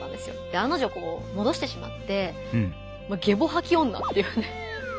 案の定戻してしまって「ゲボはき女」って。